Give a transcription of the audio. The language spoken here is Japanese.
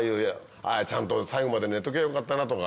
ちゃんと最後まで寝ときゃよかったなとか。